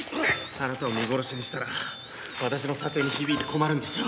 あなたを見殺しにしたら私の査定に響いて困るんですよ